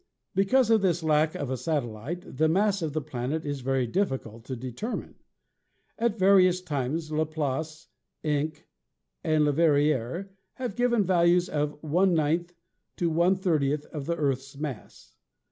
Because o^ this lack of a satellite the mass of the planet is very difficult to determine. At various times Laplace, Encke and Leverrier have given values from 1/9 to 1/30 of the Earth's mass.